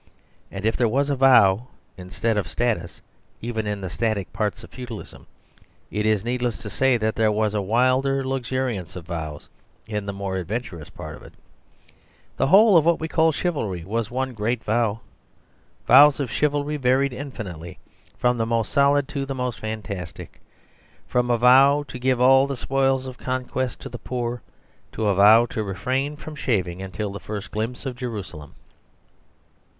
And if there was vow instead of status even in the static parts of The Story of the Vow 91 Feudalism, it is needless to say that there was a wilder luxuriance of vows in the more ad venturous part of it. The whole of what we call chivalry was one great vow. Vows of chivalry varied infinitely from the most solid to the most fantastic ; from a vow to give all the spoils of conquest to the poor to a vow to refrain from shaving until the first glimpse of Jerusalem.